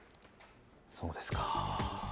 そうですか。